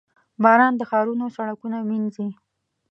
• باران د ښارونو سړکونه مینځي.